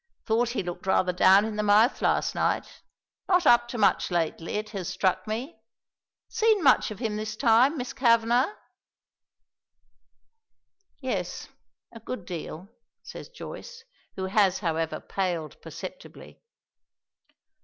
Thought he looked rather down in the mouth last night. Not up to much lately, it has struck me. Seen much of him this time, Miss Kavanagh?" "Yes. A good deal," says Joyce, who has, however, paled perceptibly.